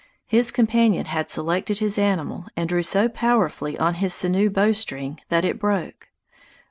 His companion had selected his animal and drew so powerfully on his sinew bowstring that it broke.